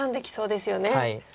はい。